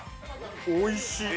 おいしい！